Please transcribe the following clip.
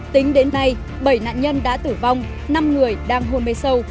tính đến nay bảy nạn nhân đã tử vong năm người đang hôn mê sâu